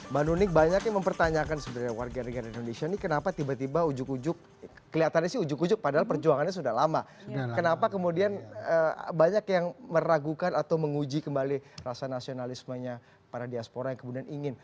mbak nunik banyak yang mempertanyakan sebenarnya warga negara indonesia ini kenapa tiba tiba ujuk ujuk kelihatannya sih ujuk ujuk padahal perjuangannya sudah lama kenapa kemudian banyak yang meragukan atau menguji kembali rasa nasionalismenya para diaspora yang kemudian ingin